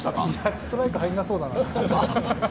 ストライクが入らなさそうだな。